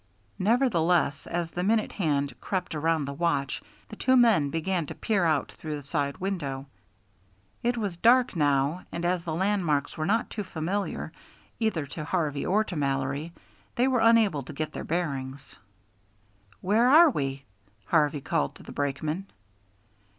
Nevertheless, as the minute hand crept around the watch, the two men began to peer out through the side window. It was dark now, and as the landmarks were not too familiar either to Harvey or to Mallory, they were unable to get their bearings. "Where are we?" Harvey called to the brakeman.